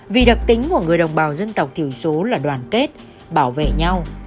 vì đặc tính của người đồng bào dân tộc thiểu số là đoàn kết bảo vệ nhau